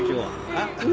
あっ？